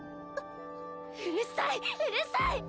うるさいうるさい！